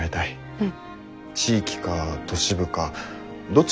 うん。